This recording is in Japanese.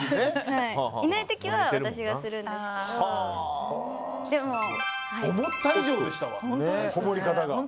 いない時は私がするんですけど。